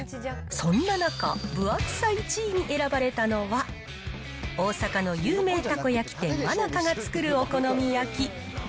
そんな中、分厚さ１位に選ばれたのは、大阪の有名たこ焼き店、おー。